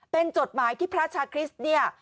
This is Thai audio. เป็นจดหมายที่พระชาคริสต์เนี่ย